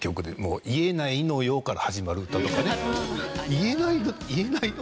言えない言えないの？